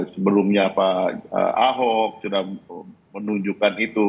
sebelumnya pak ahok sudah menunjukkan itu